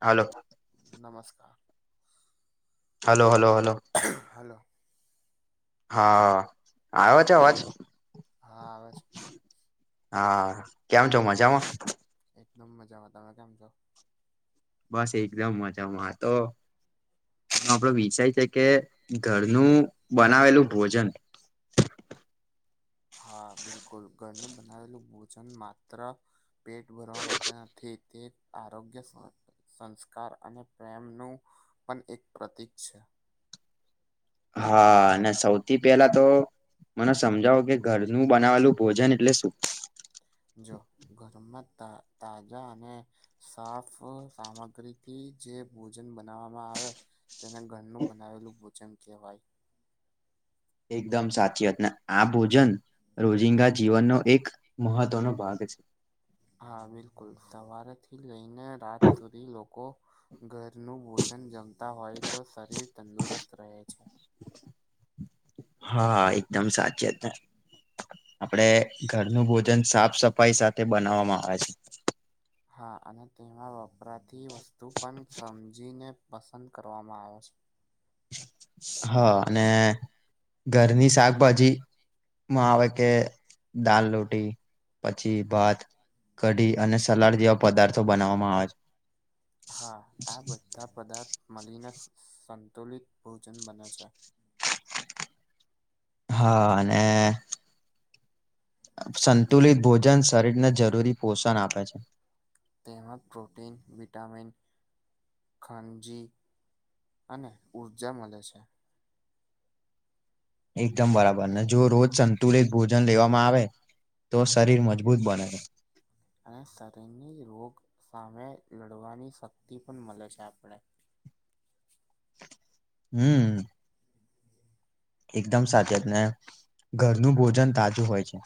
હાલો. નમસ્કાર. Hello hello hello. Hello. હા આવ્યો છે અવાજ. હા આવે છે. હા કેમ છો મજામાં. એકદમ મજામાં તમે કેમ છો. બસ એકદમ મજામાં તો આપડો વિષય છે. કે ઘરનું બનાવેલું ભોજન હા બિલકુલ ઘરનું બનાવેલું ભોજન માત્ર પેટ ભરવા માટે નથી તે આરોગ્ય સ સંસ્કાર અને પ્રેમ નું પણ એક પ્રતીક છે. હા ને સૌથી પેલા તો મને સમજાવો કે ઘરનું બનાવેલું ભોજન એટલે શું જો ઘરમાં ત તાજા અને સાફ સામગ્રીથી જે ભોજન બનાવવામાં આવે તેને ઘરનું બનાવેલું ભોજન કહેવાય એકદમ સાચીત ને આ ભોજન રોજિંગા જીવનનો એક મહત્વનો ભાગ છે. હા બિલકુલ સવારેથી લઈને રાત સુધી લોકો ઘર ઘરનું ભોજન જમતા હોય તો શરીર તંદુરસ્ત રહે છે. હા એકદમ સાચી તે. આપડે ઘરનું ભોજન સાફ સફાઈ સાથે બનાવવામાં આવે છે. હા અને તેમાં વપરાતી વસ્તુ પણ સમજીને પસંદ કરવામાં આવશે. હા અને ઘરની શાકભાજી માં આવે કે દાલ રોટી પછી ભાત કઢી અને સલાડ જેવા પદાર્થો બનાવવામાં આવે છે હા આ બધા પદાર્થ મળીને સંતુલિત ભોજન બને છે હા અને સંતુલિત ભોજન શરીરને જરૂરી પોષણ આપે છે તેમમાં પ્રોટીન વિટામિન ખાનજી અને ઊર્જા મળે છે એકદમ બરાબર ને જો રોજ સંતુલિત ભોજન લેવામાં આવે તો શરીર મજબૂત બને અને શરીરની રોગ સામે લડવાની શક્તિ પણ મળે છે આપણે હમ એકદમ સાચી વાત જ ને ઘરનું ભોજન તાજું હોય છે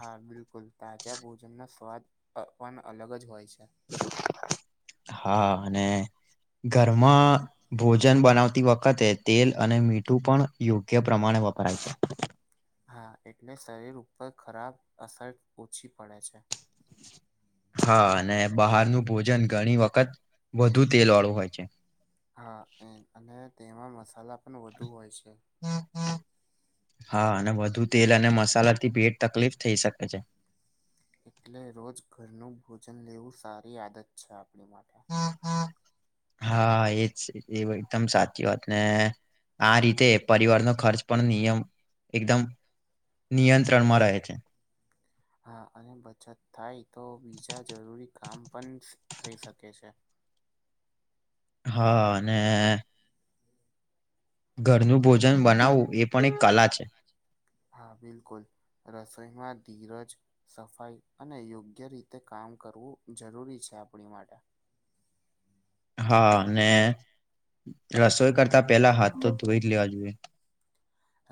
હા બિલકુલ તાજા ભોજનનો સ્વાદ અપન અલગ જ હોય છે [inaudible] હા અને ઘરમાં ભોજન બનાવતી વખતે જ તેલ અને મીઠું પણ યોગ્ય પ્રમાણે વપરાય છે હા એટલે શરીર ઉપર ખરાબ અસર ઓછી પડે છે હા અને બહારનું ભોજન ઘણી વખત વધુ તેલ વાળું હોય છે હા એ અને તેમાં મસાલા પણ વધુ હોય છે હા અને વધુ તેલ અને મસાલા થી પેટ તકલીફ થઇ શકે છે એટલે રોજ ઘરનું ભોજન લેવું સારી આદત છે આપણી માટે હા એજ એ એકદમ સાચી વાત ને આ રીતે પરિવારનો ખર્ચ પણ નિયમ એકદમ નિયંત્રણમાં રહે છે હા અને બચત થાય તો બીજા જરૂરી કામ પણ થઈ શકે છે. હા અને ઘરનું ભોજન બનાવવું એ પણ એક કલા છે હા બિલકુલ રસોઈમાં ધીરજ સફાઈ અને યોગ્ય રીતે કામ કરવું જરૂરી છે આપણી માટે હા ને રસોઈ કરતા પેલા હાથ તો ધોઈ જ લેવા જોઈએ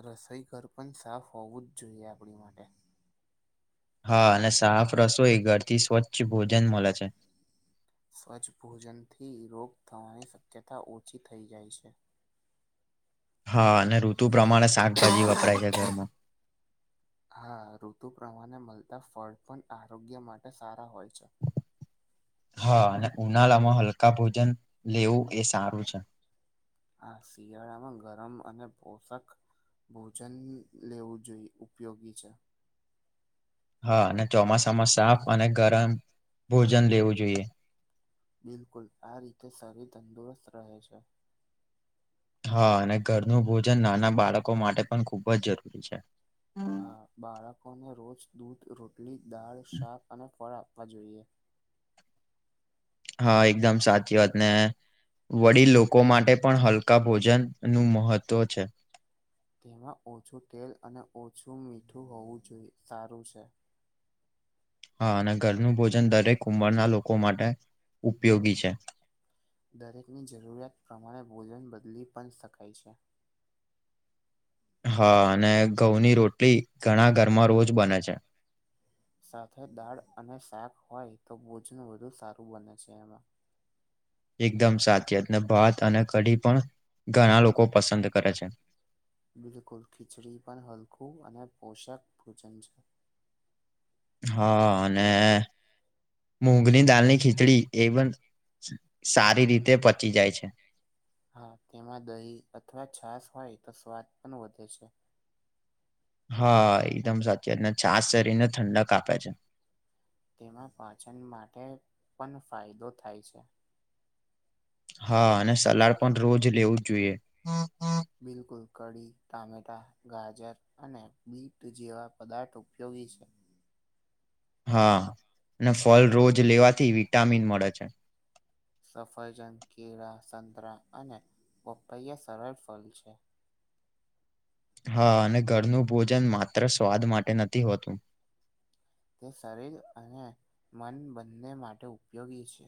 રસોઈ ઘર પણ સાફ હોવું જ જોઈએ આપણી માટે હા અને સાફ રસોઈ ઘર થી સ્વચ્છ ભોજન મળે છે સ્વચ્છ ભોજનથી રોગ થવાની શક્યતા ઓછી થઈ જાય છે હા અને ઋતુ પ્રમાણે શાકભાજી વપરાય છે ઘરમાં હા ઋતુ પ્રમાણે મળતા ફળ પણ આરોગ્ય માટે સારા હોય છે હા અને ઉનાળા માં હલકા ભોજન લેવું એ સારું છે આ શિયાળામાં ગરમ અને પોષક ભોજન લેવું જોઈએ ઉપયોગી છે હા અને ચોમાસામાં સાફ અને ગરમ ભોજન લેવું જોઈએ બિલકુલ આ રીતે શરીર તંદુરસ્ત રહે છે હા અને ઘરનું ભોજન નાના બાળકો માટે પણ ખૂબ જ જરૂરી છે હા બાળકોને રોજ દૂધ રોટલી દાળ શાક અને ફળ આપવા જોઈએ હા એકદમ સાચી વાતને વડીલ લોકો માટે પણ હલકા ભોજન નું મહત્વ છે તેમાં ઓછું તેલ અને ઓછું મીઠું હોવું જોઈએ સારું છે હા, અને ઘરનું ભોજન દરેક ઉંમરના લોકો માટે ઉપયોગી છે. દરેકની જરૂરિયાત પ્રમાણે ભોજન બદલી પણ શકાય છે. હા, અને ઘઉંની રોટલી ઘણા ઘરમાં રોજ બને છે. સાથે દાળ અને શાક હોય તો ભોજન વધુ સારું બને છે એમાં. એકદમ સાચી વાત જ ને ભાત અને કઢી પણ ઘણા લોકો પસંદ કરે છે. બિલકુલ ખીચડી પણ હલકું અને પોષક ભોજન છે. હા, અને મૂંગની દાલની ખીચડી એ પણ સારી રીતે પચી જાય છે. હા, તેમાં દહી અથવા છાસ હોય તો સ્વાદ પણ વધે છે. હા, એકદમ સાચી વાત અને છાસ શરીને ઠંડક આપે છે. તેમાં પાચન માટે પણ ફાયદો થાય છે. હા, અને સલાડ પણ રોજ લેવું જ જોઈએ. બિલકુલ કઢી ટમેટા ગાજર અને બીટ જેવા પદાર્થ ઉપયોગી છે. હા, ને ફળ રોજ લેવાથી વિટામિન મળે છે. સફરજન, કેળા, સંતરા અને પપૈયા સરળ ફલ છે. હા, અને ઘરનું ભોજન માત્ર સ્વાદ માટે નથી હોતું. તે શરીર અને મન બંને માટે ઉપયોગી છે.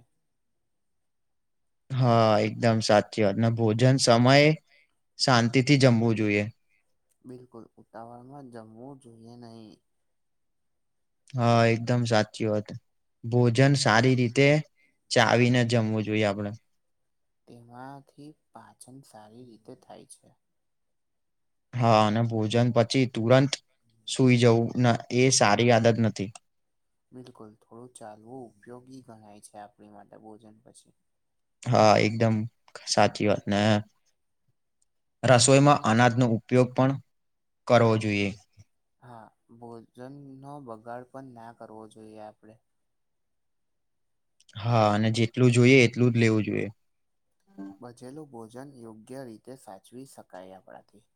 હા, એકદમ સાચી વાત. ને ભોજન સમયે શાંતિ થી જમવું જોઈએ. બિલકુલ ઉતાવળમાં જમવું જોઈએ નહી. હા, એકદમ સાચી વાત ભોજન સારી રીતે ચાવીને જમવું જોઈએ આપડે. તેમાંથી પાચન સારી રીતે થાય છે. હા, અને ભોજન પછી તુરંત સુઈ જવું ના એ સારી આદત નથી. બિલકુલ થોડું ચાલવું ઉપયોગી ગણાય છે આપણી માટે ભોજન પછી. હા, એકદમ સાચી વાત ને રસોઈમાં અનાજનો ઉપયોગ પણ કરવો જોઈએ. હા, ભોજનનો બગાડ પણ ના કરવો જોઈએ આપડે. હા, અને જેટલું જોઈએ એટલું જ લેવું જોઈએ. બજેલું ભોજન યોગ્ય રીતે સાચવી શકાય આપડાથી.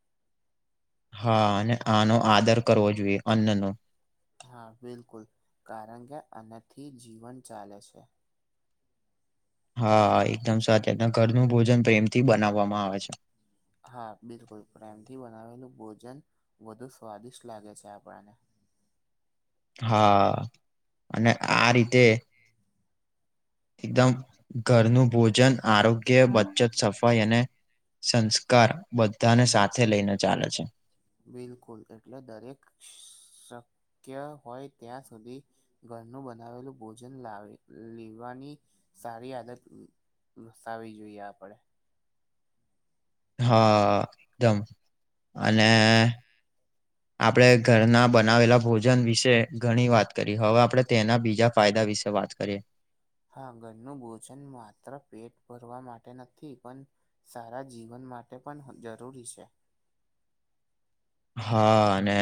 હા, અને આનો આદર કરવો જોઈએ અન્નનો. હા, બિલકુલ કારણ કે આનાથી જીવન ચાલે છે. હા, એકદમ સાચે એકદમ ઘરનું ભોજન પ્રેમ થી બનાવવામાં આવે છે. હા, બિલકુલ પ્રેમથી બનાવેલું ભોજન વધુ સ્વાદિષ્ટ લાગે છે આપડા ને. હા, અને આ રીતે એકદમ ઘરનું ભોજન આરોગ્ય બચત સફાઈ અને સંસ્કાર બધાને સાથે લઈને ચાલે છે. બિલકુલ એટલે દરેક શક્ય હોય ત્યાં સુધી ઘરનું બનાવેલું ભોજન લાવે લેવાની સારી આદત વસાવી જોઈએ આપડે. હા એકદમ. અને આપડે ઘરના બનાવેલા ભોજ જન વિશે ઘણી વાત કરી હવે આપડે તેના બીજા ફાયદા વિશે વાત કરીએ. હા, ઘરનું ભોજન માત્ર પેટ ભરવા માટે નથી પણ સારા જીવન માટે પણ જરૂરી છે. હા, અને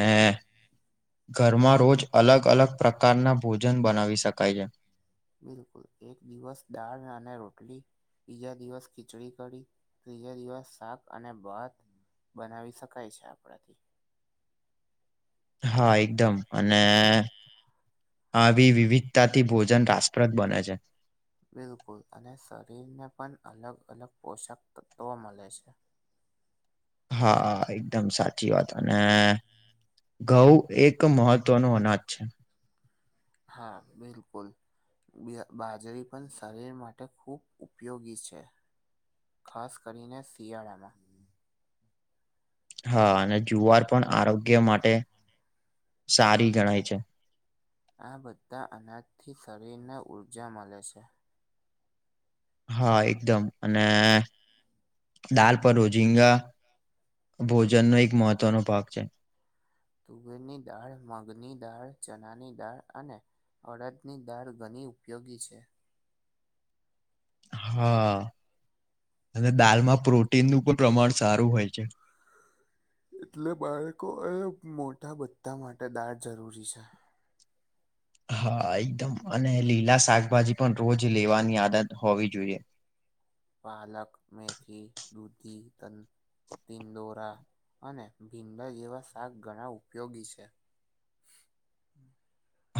ઘરમાં રોજ અલગ અલગ પ્રકારના ભોજન બનાવી શકાય છે. બિલકુલ એક દિવસ દાળ અને રોટલી. બીજા દિવસ ખીચડી કડી ત્રીજા દિવસ શાક અને ભાત બનાવી શકાય છે આપડાથી. હા, એકદમ અને આવી વિવિધતાથી ભો જન રાષ્ટપ્રદ બને છે. બિલકુલ અને શરીરને પણ અલગ અલગ પોષક તત્વો મળે છે. હા એકદમ સાચી વાત અને ઘઉ. એક મહત્વ નુ અનાજ છે. હા બિલકુલ. બે બાજરી પણ શરીર માટે ખૂબ ઉપયોગી છે. ખાસ કરીને શિયાળામાં. હા અને જુવાર પણ આરોગ્ય માટે સારી ગણાય છે. આ બધા અનાજથી શરીરને ઊર્જા મળે છે. હા એકદમ અને. દાળ પર રોઝીંગા ભોજનનો એક મહત્વનો ભાગ છે. તુવેરની દાળ મગની દાળ ચણાની દાળ અને. અળદની દાળ ઘણી ઉપયોગી છે. હા અને દાળમાં પ્રોટીનનું પણ પ્રમાણ સારું હોય છે. એટલે બાળકો એ મોટા બધા માટે દાળ જરૂરી છે. હા એકદમ અને લીલા શાકભાજી પણ રોજ લેવાની આદત હોવી જોઈએ. પાલક મેથી દૂધી તન. તિંદોરા અને ભીંડા જેવા શાક ઘણા ઉપયોગી છે.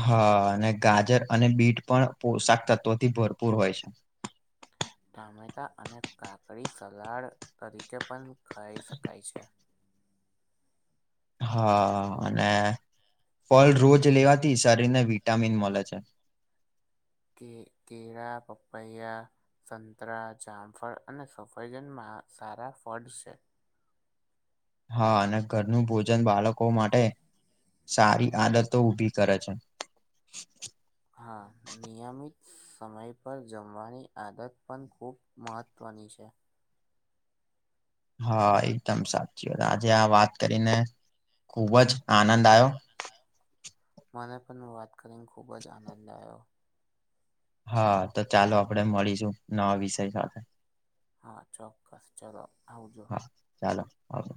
હા અને ગાજર અને બીટ પણ પોશાક તત્વોથી ભરપૂર હોય છે. ટામેટા અને કાકડી સલાડ તરીકે પણ ખાઈ શકાય છે. હા અને ફળ રોજ લેવાથી શરીર ને વિટામીન મળે છે. કે કેળા પપૈયા. સંતરા જામફળ અને સફરજનમાં સારા ફળ છે. હા અને ઘરનું ભોજન બાળકો માટે. સારી આદતો ઊભી કરે છે. હા નિયમિત સમય પર જમવાની આદત પણ ખૂબ મહત્ત્વની છે. હા એકદમ સાચી વાત આજે આ વાત કરીને ખુબ જ આનંદ આયો. મને પણ વાત કરીને ખૂબ જ આનંદ આયો. હા તો ચાલો આપડે મળીશું નવા વિષય સાથે. હા ચોક્કસ ચલો આવજો. હા ચાલો આવજો.